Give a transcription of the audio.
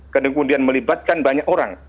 karena kemudian melibatkan banyak orang